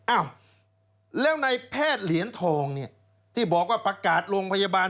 อ้าวแล้วในแพทย์เหรียญทองเนี่ยที่บอกว่าประกาศโรงพยาบาล